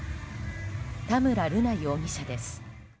田村瑠奈容疑者です。